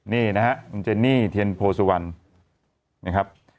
นี่คุณเจนี่เทียนโพสุวัน